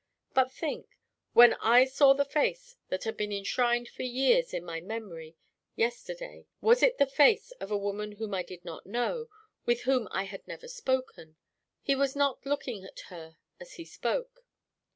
But think: when I saw the face that had been enshrined for years in my memory yesterday, was it the face of a woman whom I did not know with whom I had never spoken?" He was not looking at her as he spoke.